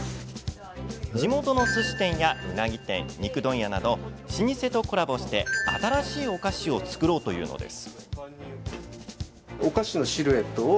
地元のすし店や、うなぎ店肉問屋など、老舗とコラボして新しいお菓子を作ろうというのです。